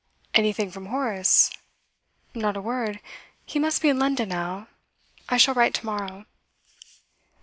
'Anything from Horace?' 'Not a word. He must be in London now; I shall write tomorrow.